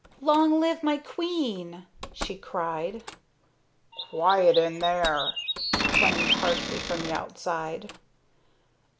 "Long live my queen!" she cried. "Quiet in there!" clanged harshly from the outside.